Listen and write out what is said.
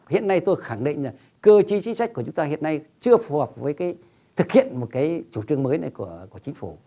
hiện nay tôi khẳng định là cơ chế chính sách của chúng ta hiện nay chưa phù hợp với cái thực hiện một cái chủ trương mới này của chính phủ